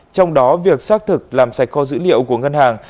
trong đó việc xác thực làm sạch kho dữ liệu của ngân hàng